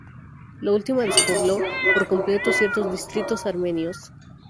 La última despobló por completo ciertos distritos armenios.